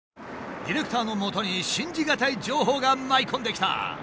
ディレクターのもとに信じ難い情報が舞い込んできた。